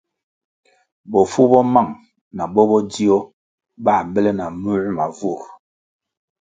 Bofu bo mang na bo bo ndzio bā bele na muē ma vur.